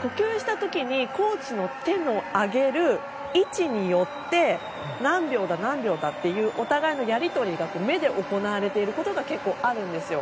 呼吸した時にコーチの手を上げる位置によって何秒だというお互いのやり取りが目で行われていることが結構あるんですよ。